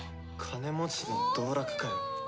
金持ちの道楽かよ。